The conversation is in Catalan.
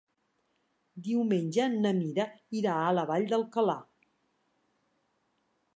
Diumenge na Mira irà a la Vall d'Alcalà.